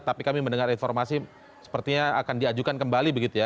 tapi kami mendengar informasi sepertinya akan diajukan kembali begitu ya